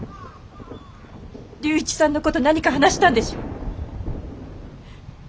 龍一さんの事何か話したんでしょう！